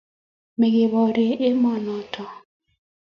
Makeborye emonoton